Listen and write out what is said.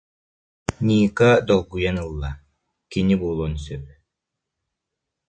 Ника долгуйан ылла, кини буолуон сөп